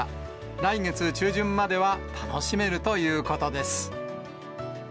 来月中旬までは楽しめるということです。